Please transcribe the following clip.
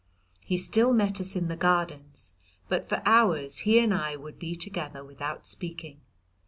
He still met us in the Gardens, but for hours he and I would be together without speaking.